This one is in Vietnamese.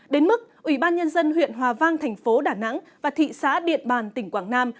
đến mức ủy ban nhân dân huyện hòa vang thành phố đà nẵng và thị xã điện bàn tỉnh quảng nam